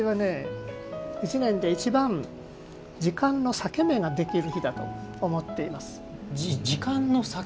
「１年で一番時間の裂け目ができる日！！」と思っています。